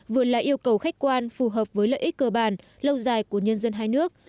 vừa là yêu cầu khách quan phù hợp với lợi ích cơ bản lâu dài của nhân dân hai nước